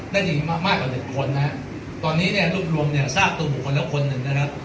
ได้ดีมากกว่าเด็ดคนนะครับตอนนี้รูปรวมเนี่ยทราบตัวบุคคลแล้วคนหนึ่งนะครับ